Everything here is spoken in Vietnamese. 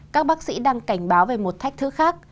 các bác sĩ đang cảnh báo về một thách thức khác